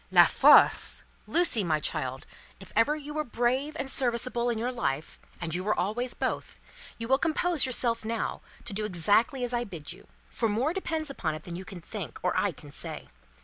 "La Force! Lucie, my child, if ever you were brave and serviceable in your life and you were always both you will compose yourself now, to do exactly as I bid you; for more depends upon it than you can think, or I can say.